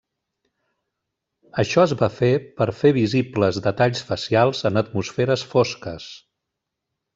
Això es va fer per a fer visibles detalls facials en atmosferes fosques.